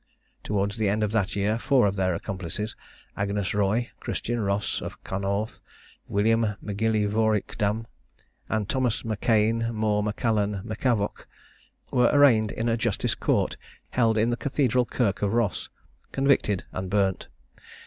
Towards the end of that year, four of their accomplices, Agnes Roy, Christian Ross, of Canorth, William M'Gillievoricdam, and Thomas M'Kane More M'Allan M'Evoch, were arraigned in a justice court, held in the Cathedral Kirk of Ross, convicted, and burnt.